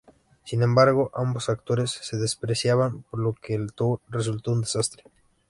Sin embargo, ambos actores se despreciaban, por lo que el tour resultó un desastre.